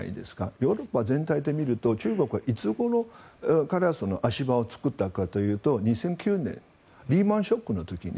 ヨーロッパ全体で見ると中国はいつごろから足場を作ったかというと２００９年リーマン・ショックの時に。